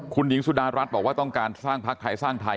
คุณหญิงสุดารัฐบอกว่าต้องการสร้างพักไทยสร้างไทย